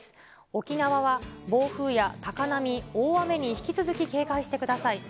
沖縄は暴風や高波、大雨に引き続き警戒してください。